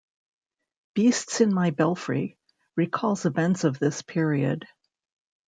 "Beasts in My Belfry" recalls events of this period.